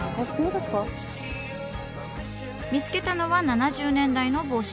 見つけたのは７０年代の帽子。